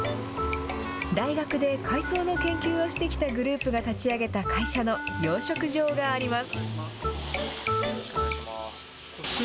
大学で海藻の研究をしてきたグループが立ち上げた会社の養殖場があります。